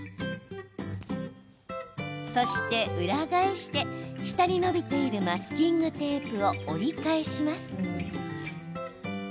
そして、裏返して下に伸びているマスキングテープを折り返します。